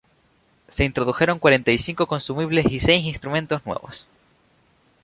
Se introdujeron cuarenta y cinco consumibles y seis instrumentos nuevos.